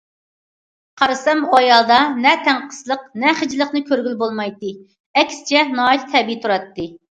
قارىسام ئۇ ئايالدا نە تەڭقىسلىق، نە خىجىللىقنى كۆرگىلى بولمايتتى، ئەكسىچە ناھايىتى تەبىئىي تۇراتتى.